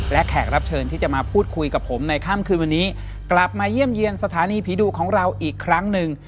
และแขกรับเชิญที่จะมาพูดคุยกับผมในค่ำคืนวันนี้กลับมาเยี่ยมเยี่ยมสถานีผีดุของเราอีกครั้งหนึ่ง